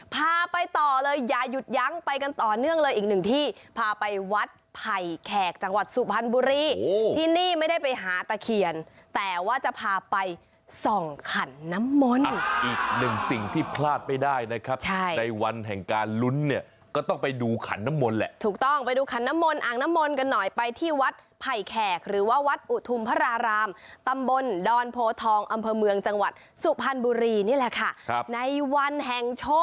พาไปต่อเลยอย่ายุดยั้งไปกันต่อเนื่องเลยอีกหนึ่งที่พาไปวัดไผ่แขกจังหวัดสุพรรณบุรีที่นี่ไม่ได้ไปหาตะเขียนแต่ว่าจะพาไปส่องขันน้ำมนต์อีกหนึ่งสิ่งที่พลาดไม่ได้นะครับใช่ในวันแห่งการลุ้นเนี่ยก็ต้องไปดูขันน้ำมนต์แหละถูกต้องไปดูขันน้ำมนต์อังน้ำมนต์กันหน่อยไปที่วัดไผ่แขกหรือว่า